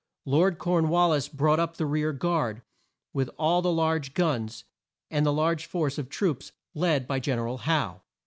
Lord Corn wal lis brought up the rear guard with all the large guns, and the large force of troops led by Gen er al Howe.